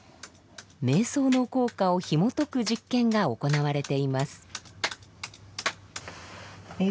瞑想の効果をひもとく実験が行われています。